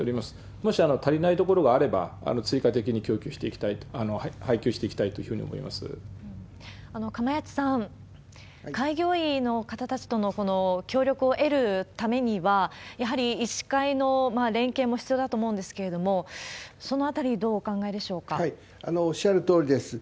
もし足りない所があれば、追加的に供給していきたい、配給していきたいというふうに思いま釜萢さん、開業医の方たちとのこの協力を得るためには、やはり医師会の連携も必要だと思うんですけれども、そのあたり、おっしゃるとおりです。